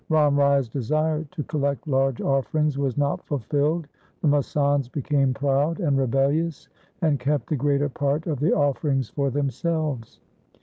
Ram Rai's desire to collect large offerings was not fulfilled. The masands became proud and rebellious, and kept the greater part of the offerings for themselves.